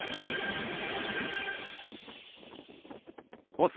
ボス